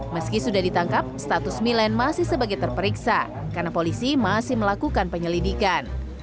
meski sudah ditangkap status milen masih sebagai terperiksa karena polisi masih melakukan penyelidikan